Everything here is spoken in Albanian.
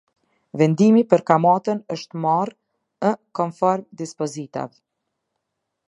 Vendimi për kamatën është marr ë konform dispozitave.